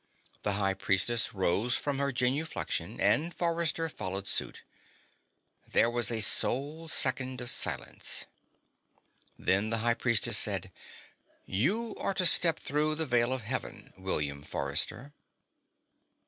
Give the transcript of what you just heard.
The High Priestess rose from her genuflection and Forrester followed suit. There was a sole second of silence. Then the High Priestess said: "You are to step through the Veil of Heaven, William Forrester."